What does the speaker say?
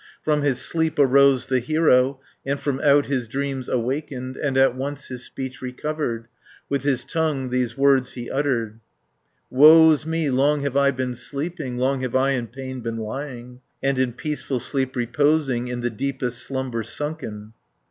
From his sleep arose the hero, And from out his dreams awakened, And at once his speech recovered. With his tongue these words he uttered: "Woe's me, long have I been sleeping, Long have I in pain been lying, 560 And in peaceful sleep reposing, In the deepest slumber sunken."